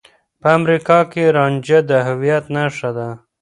په امريکا کې رانجه د هويت نښه ده.